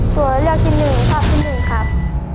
ตัวเลือกที่หนึ่งภาพที่หนึ่งครับ